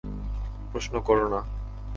প্রশ্ন কোরো না।